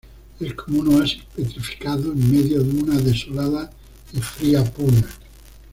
Es como un oasis petrificado en medio de una desolada y fría puna.